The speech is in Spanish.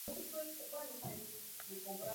Su fe no quedó sin recompensa.